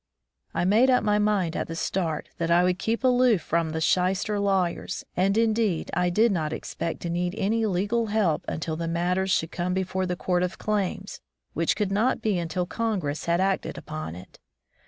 I made up my mind at the start that I would keep aloof from the shyster lawyers, and indeed I did not expect to need any legal help until the matter should come before the Court of Claims, which could not be until Congress had acted upon it.